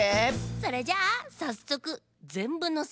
それじゃあさっそく「ぜんぶのせしりとり」！